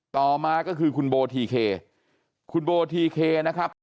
ต่อมาก็คือคุณโบทีเคคุณโบทีเคนะครับ